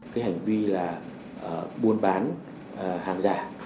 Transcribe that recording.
cái hành vi là buôn bán hàng giả